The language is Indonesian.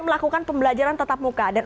melakukan pembelajaran tetap muka dan